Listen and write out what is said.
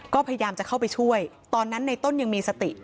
ก็พยายามจะเข้าไปช่วยตอนนั้นในต้นยังมีสติ